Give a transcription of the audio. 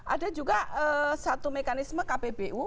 ada juga satu mekanisme kpbu